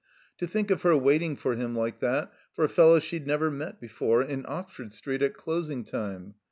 To think of her waiting for him like that — ^for a fellow she'd never met before — ^in Ox ford Street at closing time